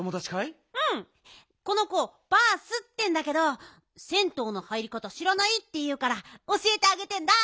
この子バースってんだけど銭湯の入りかたしらないっていうからおしえてあげてんだ。